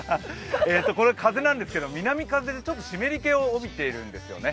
風なんですけども、南風でちょっと湿り気を帯びているんですよね。